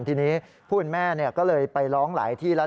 ทีนี้ผู้เป็นแม่ก็เลยไปร้องหลายที่แล้ว